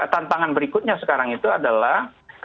tantangan berikutnya sekarang itu adalah